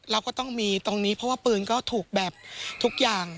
เราก็ต้องมีตรงนี้เพราะว่าปืนก็ถูกแบบทุกอย่าง